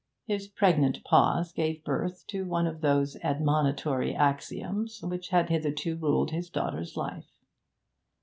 His pregnant pause gave birth to one of those admonitory axioms which had hitherto ruled his daughter's life.